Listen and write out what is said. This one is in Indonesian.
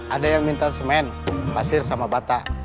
ada yang minta semen pasir sama batak